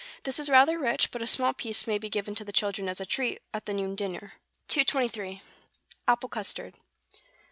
This is rather rich, but a small piece may be given to the children as a treat, at the noon dinner. 223. =Apple Custard.